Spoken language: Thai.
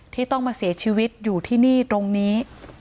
ที่ต้องมาเสียชีวิตอยู่ที่นี่ตรงนี้